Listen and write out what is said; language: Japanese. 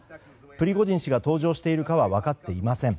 プリゴジン氏が搭乗しているかは分かっていません。